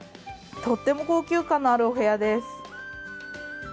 とっても高級感のあるお部屋です。